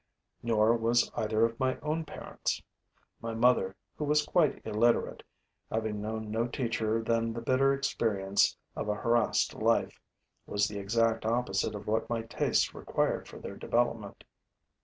Nor was either of my own parents. My mother, who was quite illiterate, having known no teacher than the bitter experience of a harassed life, was the exact opposite of what my tastes required for their development.